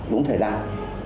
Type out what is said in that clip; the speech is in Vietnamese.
đúng thời gian